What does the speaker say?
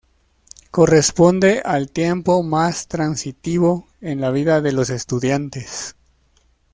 Corresponde al tiempo más transitivo en la vida de los estudiantes.